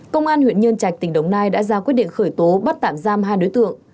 công an huyện nhân trạch tỉnh đồng nai đã ra quyết định khởi tố bắt tạm giam hai đối tượng